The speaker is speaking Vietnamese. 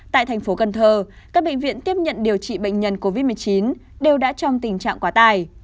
tại thành phố cần thơ các bệnh viện tiếp nhận điều trị bệnh nhân covid một mươi chín đều đã trong tình trạng quá tải